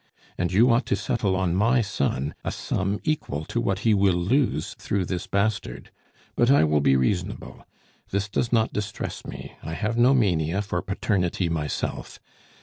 And you ought to settle on my son a sum equal to what he will lose through this bastard. But I will be reasonable; this does not distress me, I have no mania for paternity myself.